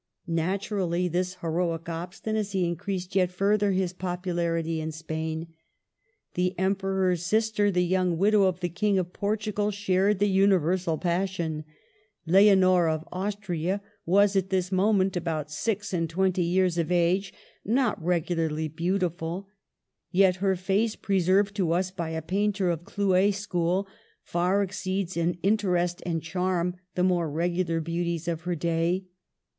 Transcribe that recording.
Naturally this heroic obstinacy increased yet further his popularity in Spain. The Emperor's sister, the young widow of the King of Portugal, shared the universal passion. Leonor of Austria was at this time about six and twenty years of age, not regularly beautiful. Yet her face, pre served to us by a painter of Clouet's school, far exceeds in interest and charm the more regular beauties of her day.